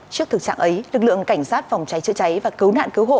trước thực trạng ấy lực lượng cảnh sát phòng cháy chữa cháy và cứu nạn cứu hộ